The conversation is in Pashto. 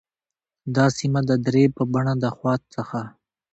دا سیمه د درې په بڼه د خوات څخه